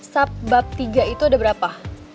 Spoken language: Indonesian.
sabab tiga itu ada berapa